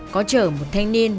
có chở một thanh niên